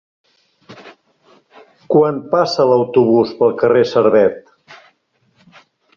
Quan passa l'autobús pel carrer Servet?